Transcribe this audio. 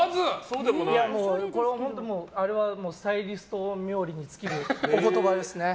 本当にスタイリスト冥利に尽きるお言葉ですね。